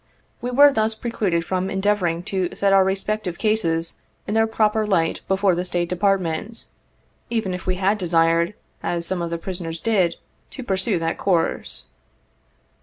We were thus precluded from endeavoring to set our respective cases in their proper light before the State Department, even if we had desired, as some of the prisoners did, to pursue that course.